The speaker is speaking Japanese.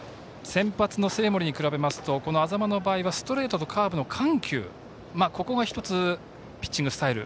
先発の生盛に比べますと安座間の場合はストレートとカーブの緩急ここが１つ、ピッチングスタイル。